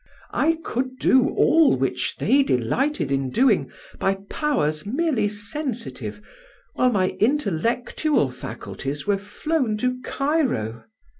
I could do all which they delighted in doing by powers merely sensitive, while my intellectual faculties were flown to Cairo.